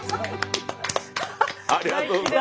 ありがとうございます。